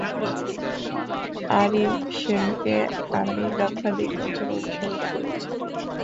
আরিশেমকে আমি লক্ষাধিক বছর অনুসরণ করেছি।